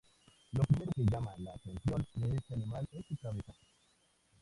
Lo primero que llama la atención de este animal es su cabeza.